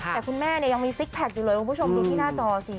แต่คุณแม่เนี่ยยังมีซิกแพคอยู่เลยคุณผู้ชมดูที่หน้าจอสิ